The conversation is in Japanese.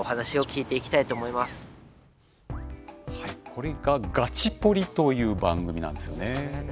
これが「ガチポリ！」という番組なんですよね。